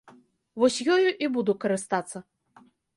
Вось ёю і буду карыстацца.